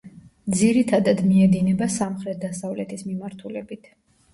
ძირითადად მიედინება სამხრეთ-დასავლეთის მიმართულებით.